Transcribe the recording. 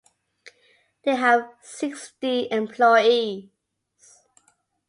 They have sixty employees.